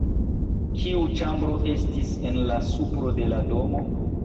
Kiu ĉambro estis en la supro de la domo?